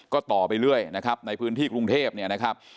ก็ต่อไปเรื่อยนะครับในพื้นที่กรุงเทพเนี่ยนะครับ